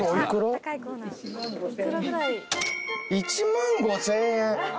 １万５，０００円。